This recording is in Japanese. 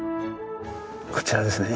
こちらですね。